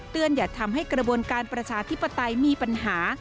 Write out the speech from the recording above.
อย่าทำให้กระบวนการประชาธิปไตยมีปัญหา